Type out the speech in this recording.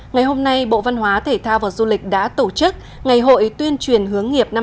ngày hôm nay bộ văn hóa thể thao và du lịch đã tổ chức ngày hội tuyên truyền hướng nghiệp năm hai nghìn hai mươi bốn